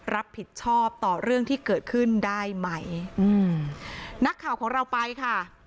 รับผิดชอบต่อเรื่องที่เกิดขึ้นได้ไหมอืมนักข่าวของเราไปค่ะ